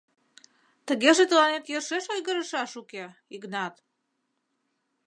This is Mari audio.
— Тыгеже тыланет йӧршеш ойгырышаш уке, Игнат!